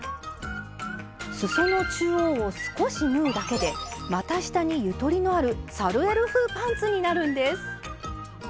すその中央を少し縫うだけで股下にゆとりのあるサルエル風パンツになるんです。